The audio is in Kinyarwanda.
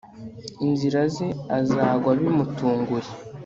inzira ze azagwa bimutunguye